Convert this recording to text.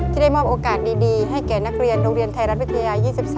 ได้มอบโอกาสดีให้แก่นักเรียนโรงเรียนไทยรัฐวิทยา๒๓